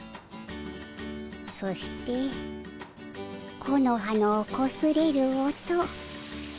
そして木の葉のこすれる音。